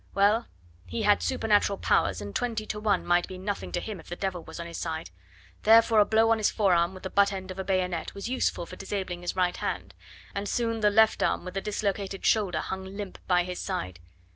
Well, he had supernatural powers, and twenty to one might be nothing to him if the devil was on his side. Therefore a blow on his forearm with the butt end of a bayonet was useful for disabling his right hand, and soon the left arm with a dislocated shoulder hung limp by his side.